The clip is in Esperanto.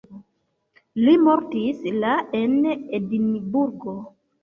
Li mortis la en Edinburgo.